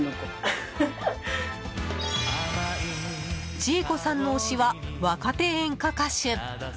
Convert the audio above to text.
千恵子さんの推しは若手演歌歌手。